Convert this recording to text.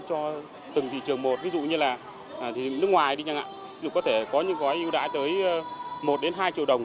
cho từng thị trường một ví dụ như là nước ngoài thì có thể có những gói ưu đãi tới một đến hai triệu đồng